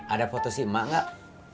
ada foto si emak nggak